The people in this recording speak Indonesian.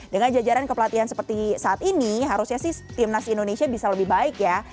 dengan jajaran kepelatihan seperti saat ini harusnya sih timnas indonesia bisa lebih baik ya